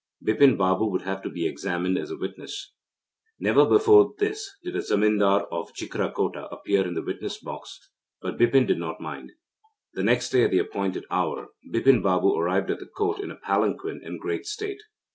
Bipin Babu would have to be examined as a witness. Never before this did a zemindar of Jhikrakota appear in the witness box, but Bipin did not mind. The next day at the appointed hour, Bipin Babu arrived at the Court in a palanquin in great state.